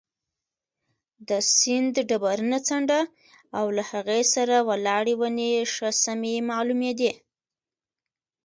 د سیند ډبرینه څنډه او له هغې سره ولاړې ونې ښه سمې معلومېدې.